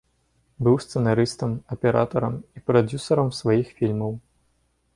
Быў сцэнарыстам, аператарам і прадзюсарам сваіх фільмаў.